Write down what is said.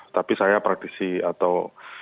tapi saya praktisi atau